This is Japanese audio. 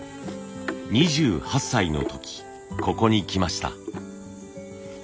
２８歳の時ここに来ました。